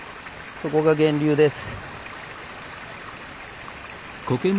そこが源流です。